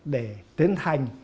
để tiến hành